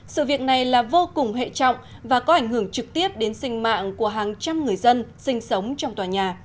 sự việc này là vô cùng hệ trọng và có ảnh hưởng trực tiếp đến sinh mạng của hàng trăm người dân sinh sống trong tòa nhà